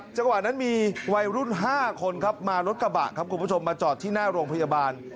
จังหวะนั้นมีวัยรุ่น๕คนมารถกระบะมาจอดที่หน้าโรงพยาบาล